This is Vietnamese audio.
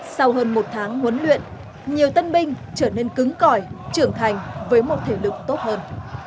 sau hơn một tháng huấn luyện nhiều tân binh trở nên cứng còi trưởng thành với một thể lực tốt hơn